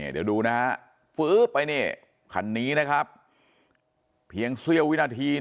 เดี๋ยวดูนะฮะฟื๊บไปคันนี้นะครับเพียงเสี้ยววินาที